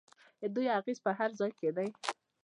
د دوی اغیز په هر ځای کې دی.